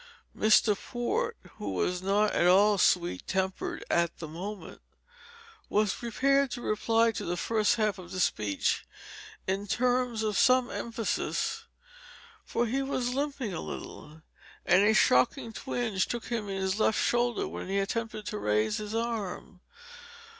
Mr. Port, who was not at all sweet tempered at that moment, was prepared to reply to the first half of this speech in terms of some emphasis; for he was limping a little, and a shocking twinge took him in his left shoulder when he attempted to raise his arm.